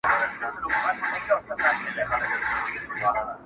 o وږی په خوب ډوډۍ ويني٫